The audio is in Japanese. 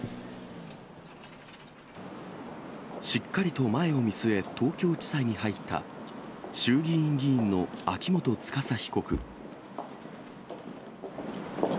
しっかりと前を見据え、東京地裁に入った、衆議院議員の秋元司被告。